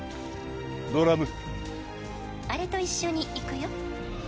ドラム「あれと一緒に行くよ」